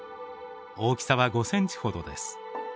大きさは５センチほどです。